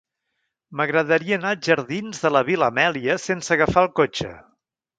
M'agradaria anar als jardins de la Vil·la Amèlia sense agafar el cotxe.